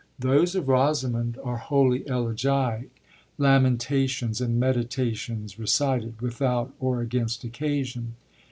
Those of Rosamond are wholly elegiac, lamentations and meditations recited, without or against occasion.